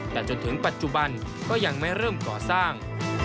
แต่จนถึงปัจจุบันก็ยังไม่เริ่มก่อสร้าง